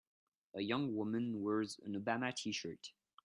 A young women wears an Obama tshirt